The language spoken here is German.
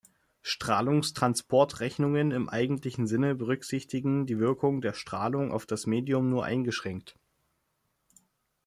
Strahlungstransport-Rechnungen im eigentlichen Sinne berücksichtigen die Wirkung der Strahlung auf das Medium nur eingeschränkt.